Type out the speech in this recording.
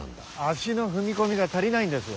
足の踏み込みが足りないんです。